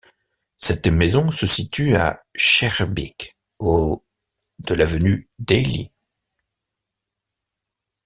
Cette maison se situe à Schaerbeek au de l'avenue Dailly.